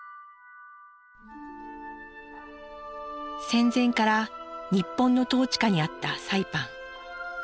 戦前から日本の統治下にあったサイパン。